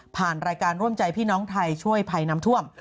รายการร่วมใจพี่น้องไทยช่วยภัยน้ำท่วม